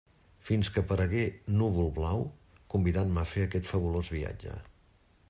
Fins que aparegué Núvol-Blau convidant-me a fer aquest fabulós viatge.